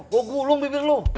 gua gulung bibir lu